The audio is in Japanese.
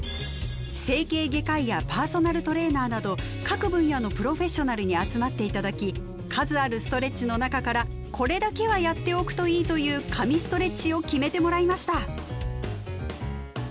各分野のプロフェッショナルに集まって頂き数あるストレッチの中から「これだけはやっておくといい」という「神ストレッチ」を決めてもらいました。